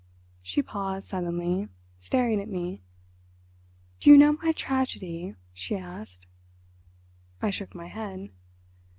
She paused suddenly, staring at me. "Do you know my tragedy?" she asked. I shook my head.